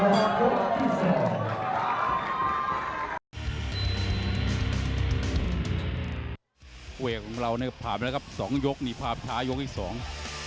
เวลาของเราเนี่ยผ่านไปแล้วครับ๒ยกหนีพราบช้ายกอีก๒